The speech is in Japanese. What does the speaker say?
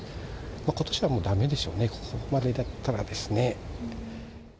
ことしはもうだめでしょうね、ここまでなったらですね。